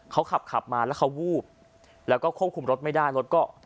เขาขับขับมาแล้วเขาวูบแล้วก็ควบคุมรถไม่ได้รถก็